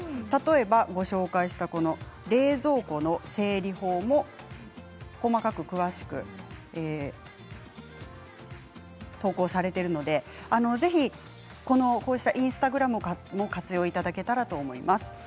ご紹介した冷蔵庫の整理法も細かく、詳しく投稿されているのでこうしたインスタグラムも活用いただけたらと思います。